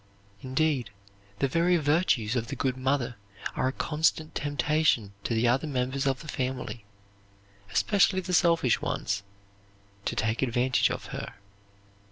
Indeed, the very virtues of the good mother are a constant temptation to the other members of the family, especially the selfish ones, to take advantage of her.